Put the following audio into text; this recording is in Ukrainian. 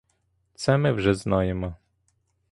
Це ми вже знаємо.